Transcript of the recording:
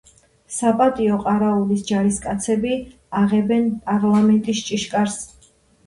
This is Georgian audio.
საპატიო ყარაულის ჯარისკაცები აღებენ პარლამენტის ჭიშკარს.